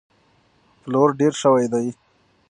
پلور ډېر شوی دی.